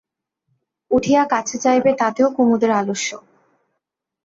উঠিয়া কাছে যাইবে তাতেও কুমুদের আলস্য।